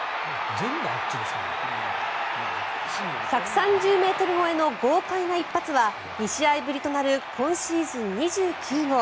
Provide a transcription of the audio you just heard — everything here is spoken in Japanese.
１３０ｍ超えの豪快な一発は２試合ぶりとなる今シーズン２９号。